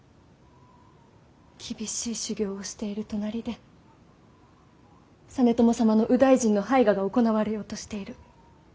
厳しい修行をしている隣で実朝様の右大臣の拝賀が行われようとしている。